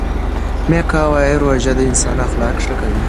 میکا وايي روژه د انسان اخلاق ښه کوي.